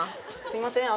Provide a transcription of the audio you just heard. すいません